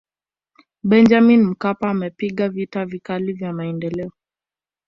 benjamin mkapa amepiga vita vikali vya maendeleo